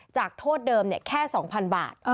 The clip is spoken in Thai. โทษเดิมแค่๒๐๐๐บาท